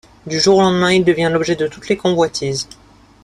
Du jour au lendemain, il devient l'objet de toutes les convoitises.